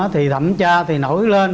thì thẩm tra thì nổi lên